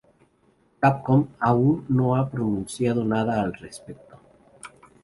Capcom aún no ha pronunciado nada al respecto.